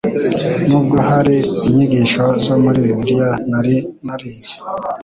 Nubwo hari inyigisho zo muri Bibiliya nari narize,